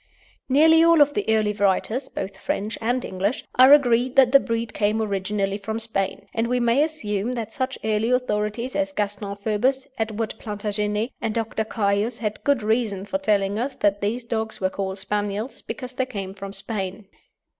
Nearly all of the early writers, both French and English, are agreed that the breed came originally from Spain, and we may assume that such early authorities as Gaston Phoebus, Edward Plantagenet, and Dr. Caius had good reasons for telling us that these dogs were called Spaniels because they came from Spain.